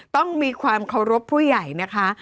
ต้องมีความเคารพผู้ใหญ่นะคะ